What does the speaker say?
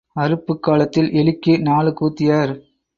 அறுப்புக் காலத்தில் எலிக்கு நாலு கூத்தியார்.